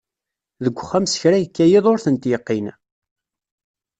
Deg uxxam s kra yekka yiḍ ur tent-yeqqin.